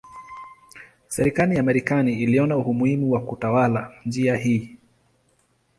Serikali ya Marekani iliona umuhimu wa kutawala njia hii.